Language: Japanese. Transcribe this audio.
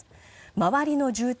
周りの住宅